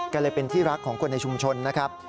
ก็เลยเป็นที่รักของคนในชุมชนนะครับ